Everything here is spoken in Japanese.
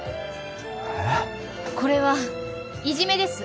これはいじめです。